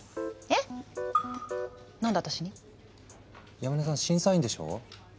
山根さん審査員でしょ？